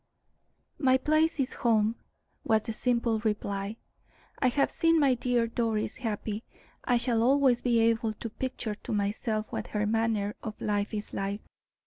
"My place is home," was the simple reply. "I have seen my dear Doris happy. I shall always be able to picture to myself what her manner of life is like.